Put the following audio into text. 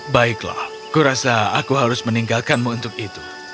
baiklah kurasa aku harus meninggalkanmu untuk itu